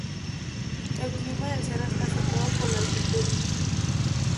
El clima del cerro está afectado por la altitud.